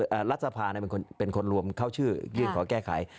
อเรนนี่แล้วรัฐสภาในเป็นคนรวมเข้าชื่อกริงขอแก้ไข